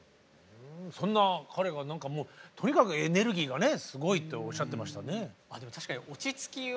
そんな彼がとにかくエネルギーがねすごいっておっしゃってましたね。